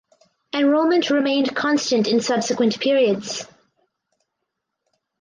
Enrollment remained constant in subsequent periods.